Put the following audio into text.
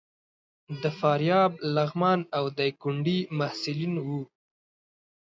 د فاریاب، لغمان او ډایکنډي محصلین وو.